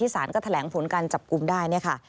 สารก็แถลงผลการจับกลุ่มได้เนี่ยค่ะ